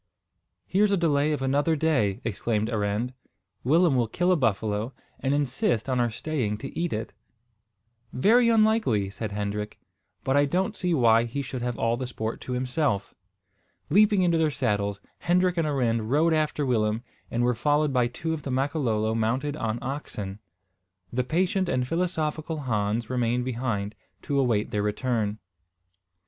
"Here's a delay of another day," exclaimed Arend. "Willem will kill a buffalo, and insist on our staying to eat it." "Very likely," said Hendrik; "but I don't see why he should have all the sport to himself." Leaping into their saddles Hendrik and Arend rode after Willem, and were followed by two of the Makololo mounted on oxen. The patient and philosophical Hans remained behind, to await their return.